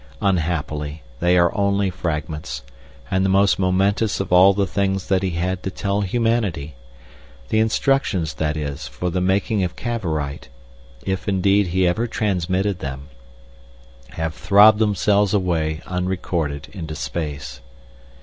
Unhappily, they are only fragments, and the most momentous of all the things that he had to tell humanity—the instructions, that is, for the making of Cavorite, if, indeed, he ever transmitted them—have throbbed themselves away unrecorded into space.